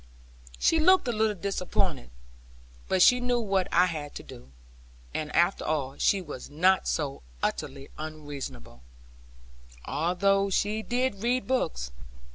She looked a little disappointed, but she knew what I had to do; and after all she was not so utterly unreasonable; although she did read books.